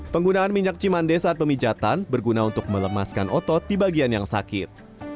penggunaan minyak cimande saat pemijatan berguna untuk melemaskan otot di bagian yang sakit